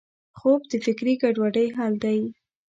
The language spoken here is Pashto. خوب د فکري ګډوډۍ حل دی